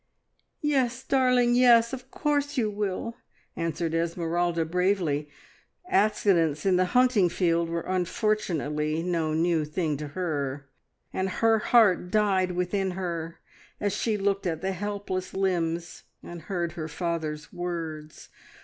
"Yes, darling, yes. Of course you will," answered Esmeralda bravely. Accidents in the hunting field were unfortunately no new thing to her, and her heart died within her as she looked at the helpless limbs, and heard her father's words.